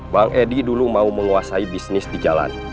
bang edi dulu mau menguasai bisnis di jalan